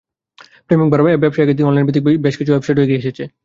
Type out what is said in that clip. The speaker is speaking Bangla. প্রেমিক ভাড়ার ব্যবসা এগিয়ে দিতে অনলাইনভিত্তিক বেশ কিছু ওয়েবসাইটও এগিয়ে এসেছে।